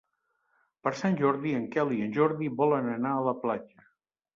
Per Sant Jordi en Quel i en Jordi volen anar a la platja.